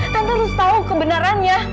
tante harus tahu kebenarannya